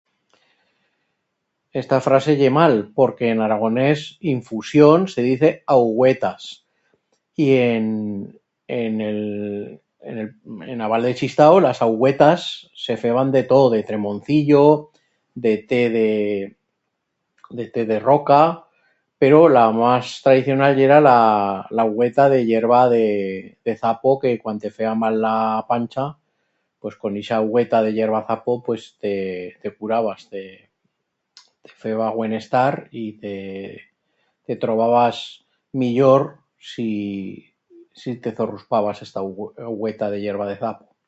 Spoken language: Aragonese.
Esta frase ye mal, porque en aragonés infusión se dice augüetas. Y en en el en el en a val de Chistau las augüetas se feban de tot, de tremoncillo, de te de... de te de roca, pero la mas tradicional yera la... l'augüeta de hierba de... de zapo que cuan te feba mal la pancha pos con ixa augüeta de hierba de zapo pues te curabas te... te feba buen estar y te... te trobabas millor si te zorruspabas esta aug... augüeta de hierba de zapo.